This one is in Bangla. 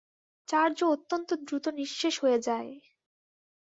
চার্জও অত্যন্ত দ্রুত নিঃশেষ হয়ে যায়।